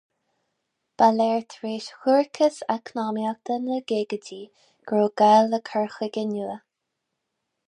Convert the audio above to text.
Ba léir tar éis dhuairceas eacnamaíochta na gcaogaidaí go raibh gá le cur chuige nua.